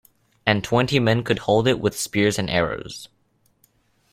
And twenty men could hold it with spears and arrows.